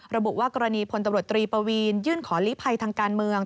ระบุว่ากรณีพลตำรวจตรีปวีนยื่นขอลีภัยทางการเมือง